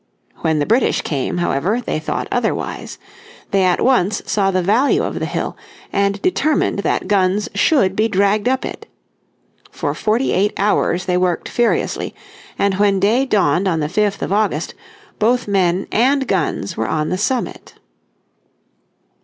When the British came, however, they thought otherwise. They at once saw the value of the hill, and determined that guns should be dragged up it. For forty eight hours they worked furiously, and when day dawned on the 5th of August both men and guns were on the summit.